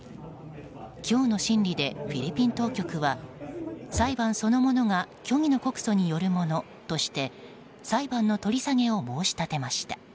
今日の審理でフィリピン当局は裁判そのものが虚偽の告訴によるものとして裁判の取り下げを申し立てました。